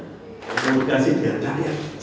terima kasih pak gajah